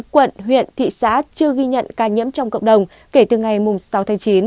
một mươi chín quận huyện thị xã chưa ghi nhận ca nhiễm trong cộng đồng kể từ ngày sáu tháng chín